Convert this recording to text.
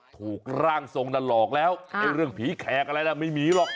ถูกร่างทรงน่ะหลอกแล้วเรื่องผีแขกอะไรน่ะไม่มีหรอก